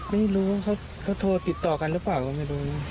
ไม่รู้เขาโทรติดต่อกันหรือเปล่า